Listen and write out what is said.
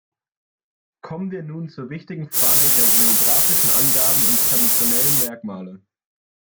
Kommen wir nun zur wichtigen Frage der geographischen Angaben und traditionellen Merkmale.